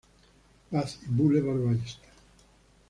Paz y Boulevard Ballester.